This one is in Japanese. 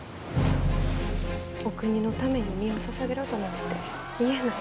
お国のために身をささげろとまで言えへん。